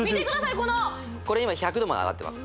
このこれ今１００℃まで上がってます